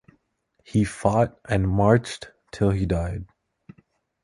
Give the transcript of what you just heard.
He fought and marched till he died.